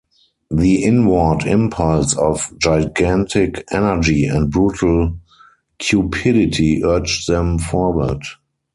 The inward impulse of gigantic energy and brutal cupidity urged them forward.